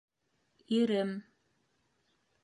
Ирем.